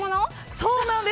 そうなんです！